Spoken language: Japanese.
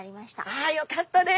あよかったです！